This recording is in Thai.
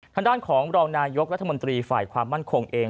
ทางด้านของรองนายกรัฐมนตรีฝ่ายความมั่นคงเอง